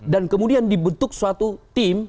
dan kemudian dibentuk suatu tim